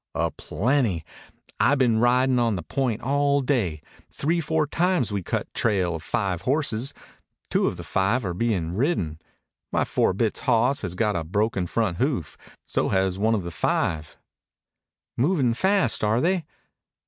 "A plenty. I been ridin' on the point all day. Three four times we cut trail of five horses. Two of the five are bein' ridden. My Four Bits hoss has got a broken front hoof. So has one of the five." "Movin' fast, are they?"